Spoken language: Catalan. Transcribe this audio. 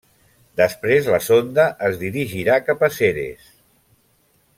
Després la sonda es dirigirà cap a Ceres.